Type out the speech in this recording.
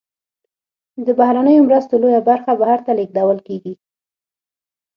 د بهرنیو مرستو لویه برخه بهر ته لیږدول کیږي.